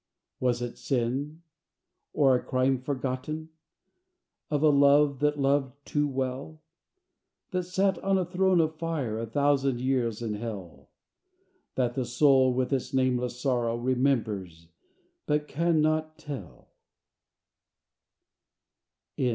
Was it sin? or a crime forgotten? Of a love that loved too well? That sat on a throne of fire A thousand years in Hell? That the soul with its nameless sorrow Remembers but can not tell?